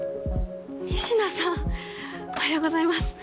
仁科さんおはようございます。